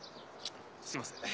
すいません。